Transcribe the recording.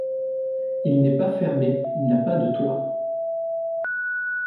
Il n'est pas fermé, il n'a pas de toit.